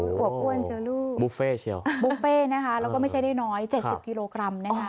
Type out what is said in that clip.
โอ้โฮบุฟเฟต์เชี่ยะลูกบุฟเฟต์นะคะแล้วก็ไม่ใช่ได้น้อย๗๐กิโลกรัม